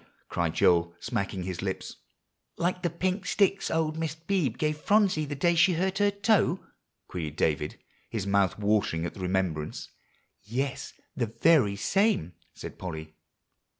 cried Joel, smacking his lips. "Like the pink sticks old Mrs. Beebe gave Phronsie the day she hurt her toe?" queried David, his mouth watering at the remembrance. "Yes, the very same," said Polly.